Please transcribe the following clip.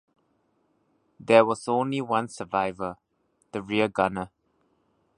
There was only one survivor, the rear gunner.